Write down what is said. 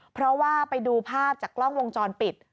เพราะว่าไปดูภาพจากกล้องวงจรปิด